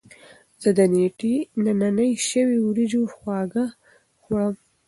زه د نینې شوي وریجو خواږه خوړم.